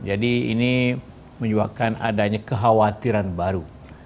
jadi ini menyebabkan adanya kekhawatiran baru